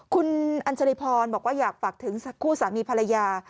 คุณอัญชรีพรบอกว่าอยากฝากถึงคู่สามีภรรยา